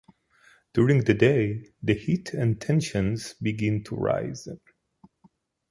During the day, the heat and tensions begin to rise.